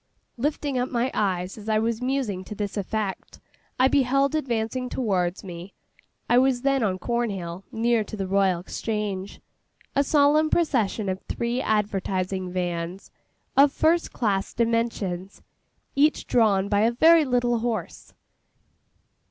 Lifting up my eyes, as I was musing to this effect, I beheld advancing towards me (I was then on Cornhill, near to the Royal Exchange), a solemn procession of three advertising vans, of first class dimensions, each drawn by a very little horse.